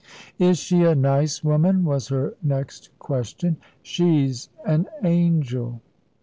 "Is she a nice woman?" was her next question. "She's an angel."